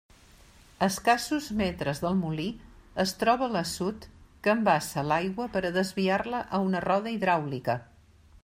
A escassos metres del molí es troba l'assut que embassa l'aigua per a desviar-la a una roda hidràulica.